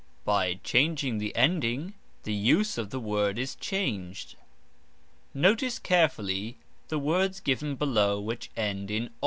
By changing the ending the use of the word is changed. Notice carefully the words given below which end in "o".